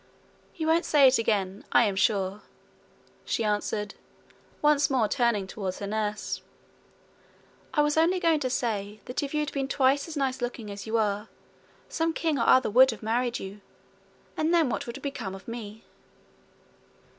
'You won't say it again, I am sure,' she answered, once more turning towards her nurse. 'I was only going to say that if you had been twice as nice looking as you are, some king or other would have married you, and then what would have become of me?'